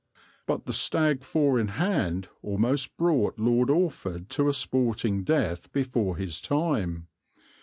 But the stag four in hand almost brought Lord Orford to a sporting death before his time.